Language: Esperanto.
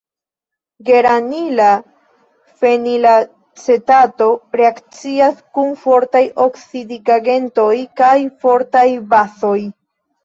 Geranila fenilacetato reakcias kun fortaj oksidigagentoj kaj fortaj bazoj.